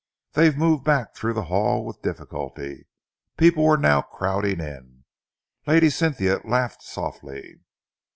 They moved back through the hall with difficulty. People were now crowding in. Lady Cynthia laughed softly.